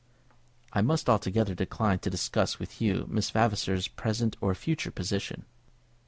"I must altogether decline to discuss with you Miss Vavasor's present or future position."